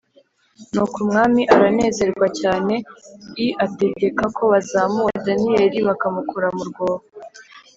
Nuko umwami aranezerwa cyane i ategeka ko bazamura Daniyeli bakamukura murwobo